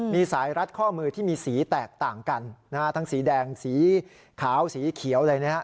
มีสายรัดข้อมือที่มีสีแตกต่างกันนะฮะทั้งสีแดงสีขาวสีเขียวอะไรนะฮะ